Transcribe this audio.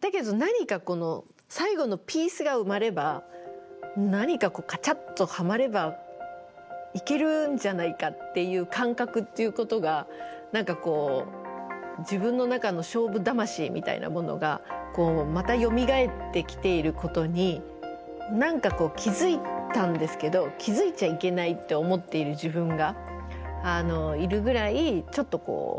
だけど何かこの最後のピースが埋まれば何かカチャッとハマればいけるんじゃないかっていう感覚っていうことが何か自分の中の勝負魂みたいなものがまたよみがえってきていることに何か気付いたんですけど気付いちゃいけないって思っている自分がいるぐらいちょっとこう。